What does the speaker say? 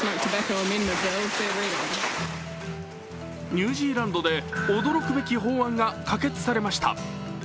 ニュージーランドで驚くべき法案が可決されました。